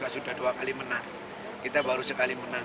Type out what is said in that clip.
sudah dua kali menang kita baru sekali menang